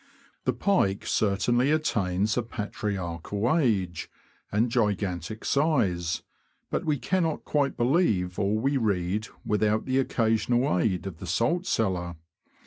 The pike certainly attains a patriarchal age and gigantic size, but we cannot quite believe all we read without the occasional aid of the salt cellar.